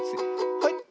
はい。